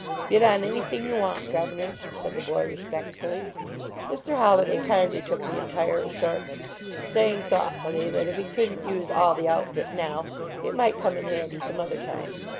" Bid on anything you want, governor," said the boy, respectfully. Mr. Holliday kindly took the entire assort ment, saying, thoughtfully, that if he couldn t use all the outfit now it might come in handy 109 JONAS some other time.